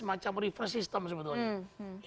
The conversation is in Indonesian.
macam refresh system sebetulnya